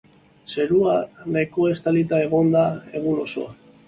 Zerua nahikoa estalita egongo da egun osoan.